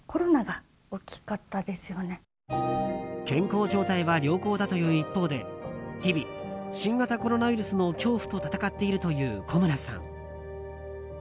健康状態は良好だという一方で日々、新型コロナウイルスの恐怖と闘っているという古村さん。